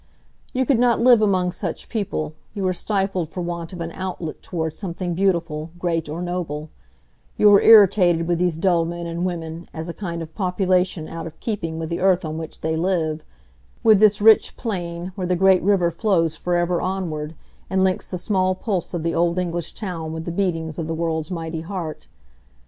You could not live among such people; you are stifled for want of an outlet toward something beautiful, great, or noble; you are irritated with these dull men and women, as a kind of population out of keeping with the earth on which they live,—with this rich plain where the great river flows forever onward, and links the small pulse of the old English town with the beatings of the world's mighty heart.